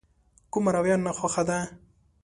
کومه رويه ناخوښه ده.